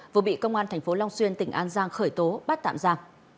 vừa bị công an thành phố long xuyên tỉnh an giang khởi tố bắt tạm ra